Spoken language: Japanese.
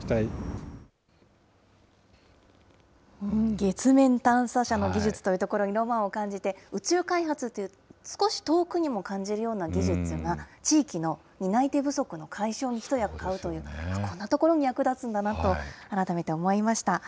月面探査車の技術というところにロマンを感じて宇宙開発という、少し遠くに感じるような技術が、地域の担い手不足の解消に一役買うという、こんなところに役立つんだなと、改めて思いました。